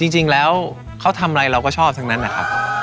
จริงแล้วเขาทำอะไรเราก็ชอบทั้งนั้นนะครับ